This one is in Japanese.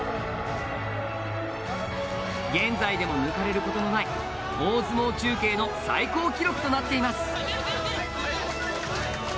現在でも抜かれることのない大相撲中継の最高記録となっています。